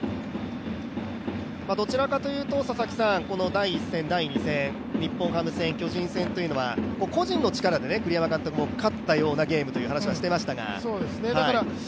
どちらかというと、第１戦、第２戦、日本ハム戦、巨人戦というのは個人の力で栗山監督も勝ったようなゲームと話していましたが。